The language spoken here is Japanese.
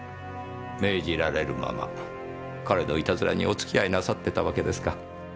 命じられるまま彼の悪戯にお付き合いなさってたわけですか。